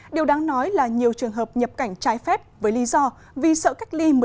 điều đáng nói là nhiều trường hợp nhập cảnh trái phép với lý do vì sợ cách ly